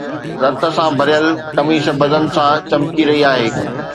رت سان ڀريل قميص بدن سان چمڪي رهي آهي